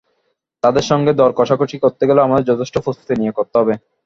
তাদের সঙ্গে দর-কষাকষি করতে গেলেও আমাদের যথেষ্ট প্রস্তুতি নিয়ে করতে হবে।